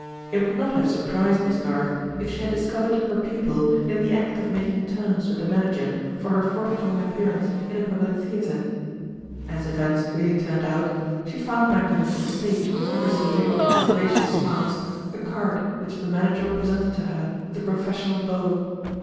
It would not have surprised Miss Garth if she had discovered her pupil in the act of making terms with the manager for her forthcoming appearance in a public theater. As events really turned out, she found Magdalen on the stage, receiving, with gracious smiles, a card which the manager presented to her with a professional bow.